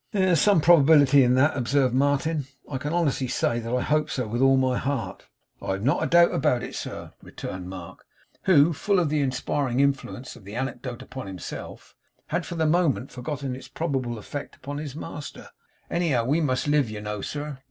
'There's some probability in that,' observed Martin. 'I can honestly say that I hope so, with all my heart.' 'I've not a doubt about it, sir,' returned Mark, who, full of the inspiriting influence of the anecodote upon himself, had for the moment forgotten its probable effect upon his master; 'anyhow, we must live, you know, sir.